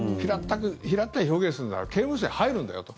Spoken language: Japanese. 平たい表現をするなら刑務所に入るんだよと。